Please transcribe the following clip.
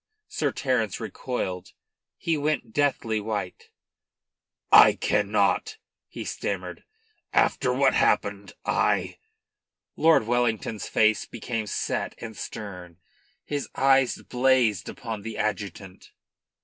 Sir Terence recoiled. He went deathly white. "I cannot," he stammered. "After what has happened, I " Lord Wellington's face became set and stern. His eyes blazed upon the adjutant.